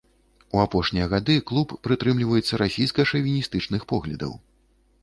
У апошнія гады клуб прытрымліваецца расійска-шавіністычных поглядаў.